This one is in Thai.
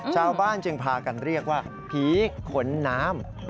ชาวบ้านจึงพากันเรียกว่าผีขนน้ำ